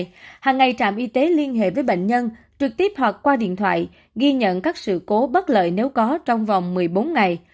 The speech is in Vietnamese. trước đó hàng ngày trạm y tế liên hệ với bệnh nhân trực tiếp hoặc qua điện thoại ghi nhận các sự cố bất lợi nếu có trong vòng một mươi bốn ngày